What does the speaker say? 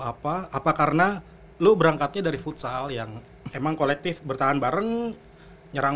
apa apa karena lo berangkatnya dari futsal yang emang kolektif bertahan bareng nyerang